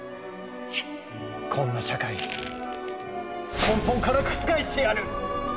「こんな社会根本から覆してやる！」。